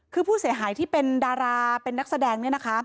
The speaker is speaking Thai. คือผู้เสียหายที่เป็นดาราเป็นนักแสดงเนี่ยนะคะ